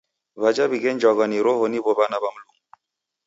W'aja w'ighenjwagha ni Roho niw'o w'ana w'a Mlungu.